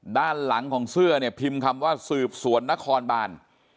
ด้านหลังของเสื้อเนี่ยพิมพ์คำว่าสืบสวนนครบาน